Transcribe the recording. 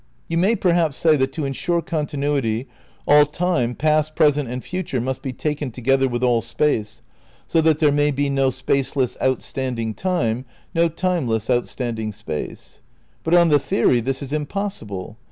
You may perhaps say that to ensure continuity all Time, past, present and future, must be taken together with all Space, so that there may be no spaceless out standing Time, no timeless outstanding Space. But on the theory this is impossible.